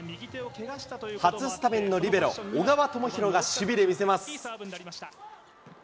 初スタメンのリベロ、小川智大が守備で見せます。